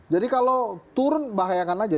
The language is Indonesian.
jadi kalau turun bahayakan aja